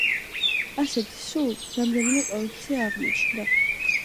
ასეთი სულ რამდენიმე კოლექცია აღმოჩნდა.